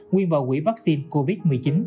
nguyên vào quỹ vaccine covid một mươi chín